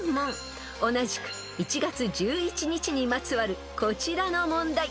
［同じく１月１１日にまつわるこちらの問題］